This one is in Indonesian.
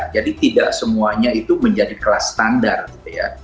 jadi tidak semuanya itu menjadi kelas standar gitu ya